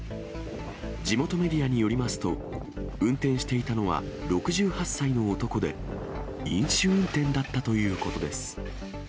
地元メディアによりますと、運転していたのは６８歳の男で、飲酒運転だったということです。